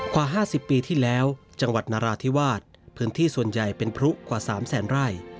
กว่า๕๐ปีที่แล้วจังหวัดนราธิวาสพื้นที่ส่วนใหญ่เป็นพลุกว่า๓แสนไร่